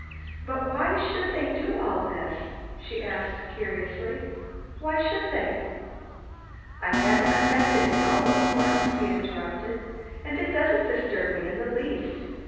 "But why should they do all this?" she asked curiously. "Why should they " "I had expected it all, of course," he interrupted, "and it doesn't disturb me in the least.